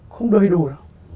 không đầy đủ đâu